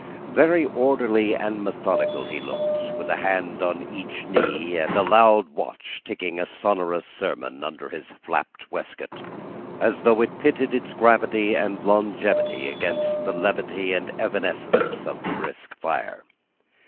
Very orderly and methodical he looked, with a hand on each knee, and a loud watch ticking a sonorous sermon under his flapped waist coat, as though it pitted its gravity and longevity against the levity and evanescence of the brisk fire.